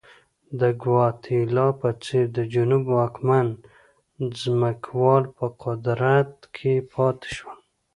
د ګواتیلا په څېر د جنوب واکمن ځمکوال په قدرت کې پاتې شول.